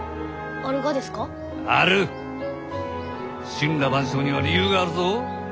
森羅万象には理由があるぞ。